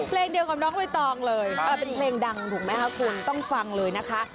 เพลงเดียวกับน้องใบตองเลยเป็นเพลงดังถูกไหมคะคุณต้องฟังเลยนะคะ